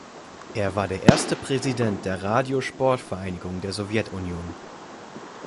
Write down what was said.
Er war der erste Präsident der Radio-Sport-Vereinigung der Sowjetunion.